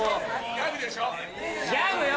・ギャグよ！